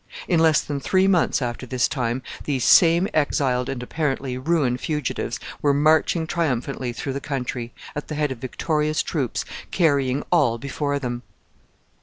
In less than three months after this time these same exiled and apparently ruined fugitives were marching triumphantly through the country, at the head of victorious troops, carrying all before them.